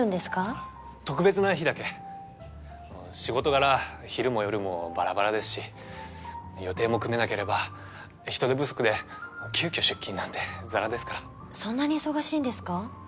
特別な日だけ仕事柄昼も夜もバラバラですし予定も組めなければ人手不足で急遽出勤なんてザラですからそんなに忙しいんですか？